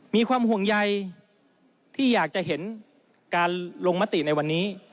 มีความห่วงใยที่อยากจะเห็นการลงมติในวันนี้